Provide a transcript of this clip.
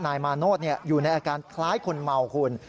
นายมาโนธอยู่ในอาการคล้ายคนเมาคุณ